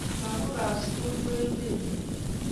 Lakok ab sukul ko emet nyoo